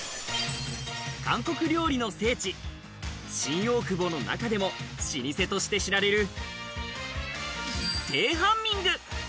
韓国料理の聖地・新大久保の中でも老舗として知られるテハンミング。